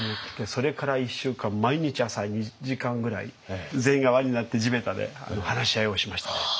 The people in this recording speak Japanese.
それから１週間毎日朝２時間ぐらい全員が輪になって地べたで話し合いをしましたね。